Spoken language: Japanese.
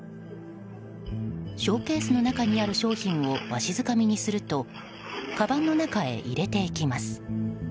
ショーケースの中にある商品をわしづかみにするとかばんの中へ入れていきます。